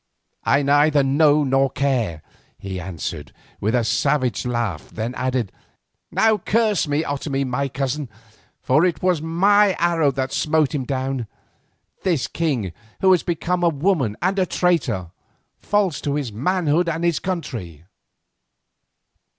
"I neither know nor care," he answered with a savage laugh, then added: "Now curse me, Otomie my cousin, for it was my arrow that smote him down, this king who has become a woman and a traitor, false to his manhood and his country."